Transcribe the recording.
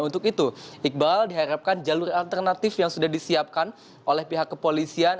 untuk itu iqbal diharapkan jalur alternatif yang sudah disiapkan oleh pihak kepolisian